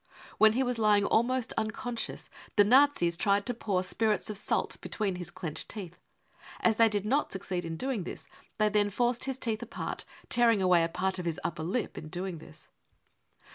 When he was lying almost unconscious the Nazis tried to pour spirits of salt between his clenched teeth. As they did not succeed in doing this, they then forced his teeth apart, tearing away a part of his upper lip in doing this.